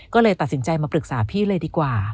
ก็เลยตัดสินใจมาปรึกษาพี่เลยดีกว่า